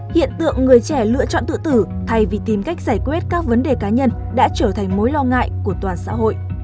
hiện tượng người trẻ lựa chọn tự tử thay vì tìm cách giải quyết các vấn đề cá nhân đã trở thành mối lo ngại của toàn xã hội